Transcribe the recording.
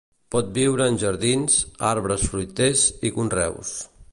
Pot viure en jardins, arbres fruiters i conreus.